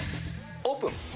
オープン。